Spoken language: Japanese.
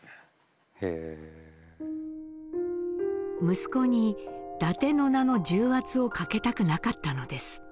息子に伊達の名の重圧をかけたくなかったのです。